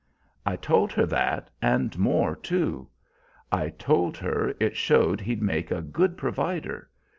"I told her that and more too. I told her it showed he'd make a good provider.